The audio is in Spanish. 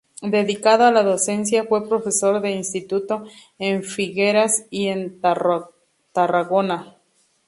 Dedicado a la docencia, fue profesor de instituto en Figueras y en Tarragona.